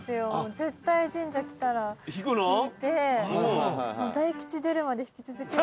絶対神社来たら引いて大吉出るまで引き続ける。